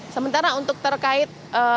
sementara untuk terkait